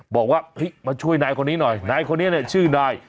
บอกว่าเฮ้ยมาช่วยนายคนนี้หน่อยนายคนนี้เนี่ยชื่อนาย